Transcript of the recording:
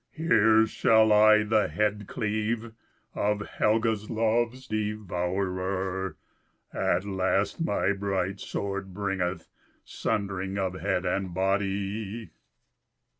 Here shall I the head cleave Of Helga's love's devourer, At last my bright sword bringeth Sundering of head and body."